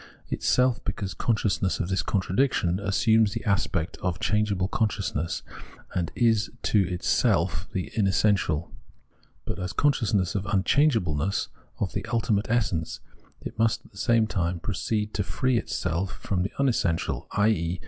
Itself, because consciousness of this contradiction, assumes the aspect of changeable consciousness and is to itself the imessential ; but as consciousness of unchangeableness, of the ultimate essence, it must, at the same time, proceed to free itself from the imessential, i.e.